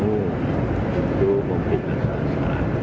itu membuatkan salah salah